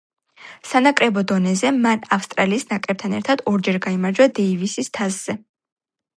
სანაკრებო დონეზე, მან ავსტრალიის ნაკრებთან ერთად ორჯერ გაიმარჯვა დეივისის თასზე.